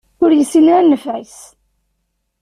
Ur yessin ara nnfeɛ-is.